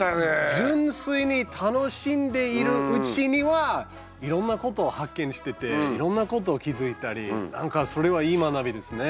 純粋に楽しんでいるうちにはいろんなことを発見してていろんなこと気付いたりなんかそれはいい学びですね。